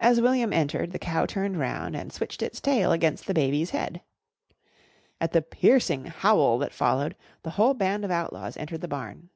As William entered, the cow turned round and switched its tail against the baby's head. At the piercing howl that followed, the whole band of outlaws entered the barn.